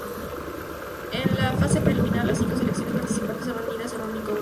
En la fase preliminar las cinco selecciones participantes son reunidas en un único grupo.